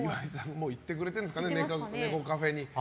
もう行ってくれてるんですかねネコカフェに。